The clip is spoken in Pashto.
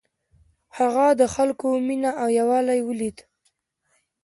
هغه د خلکو مینه او یووالی ولید.